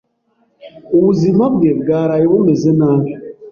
Ubuzima bwe bwaraye bumeze nabi.